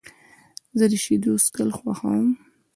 زه د شیدو څښل خوښوم.